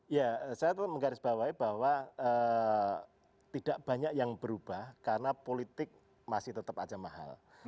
ya saya menggarisbawahi bahwa tidak banyak yang berubah karena politik masih tetap aja mahal